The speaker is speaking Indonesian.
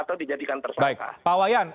itu menjual keempat atau separuh orang